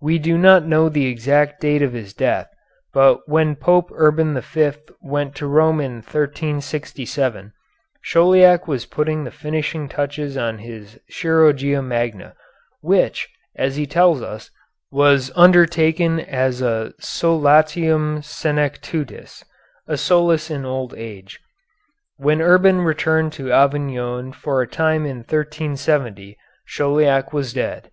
We do not know the exact date of his death, but when Pope Urban V went to Rome in 1367, Chauliac was putting the finishing touches on his "Chirurgia Magna," which, as he tells us, was undertaken as a solatium senectutis a solace in old age. When Urban returned to Avignon for a time in 1370 Chauliac was dead.